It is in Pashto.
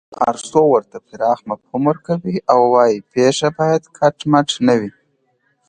ارستو ورته پراخ مفهوم ورکوي او وايي پېښه باید کټ مټ نه وي